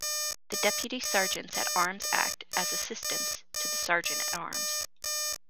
The Deputy Sergeants at Arms act as assistants to the Sergeant at Arms.